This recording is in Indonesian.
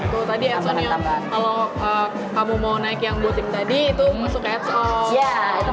tuh tadi add onnya kalau kamu mau naik yang buatin tadi itu masuk add on